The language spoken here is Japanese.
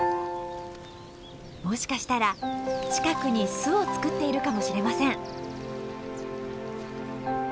もしかしたら近くに巣を作っているかもしれません。